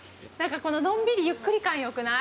こののんびりゆっくり感よくない？